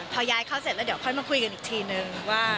พอย้ายเข้าเสร็จแล้วเดี๋ยวค่อยมาคุยกันอีกทีนึงว่า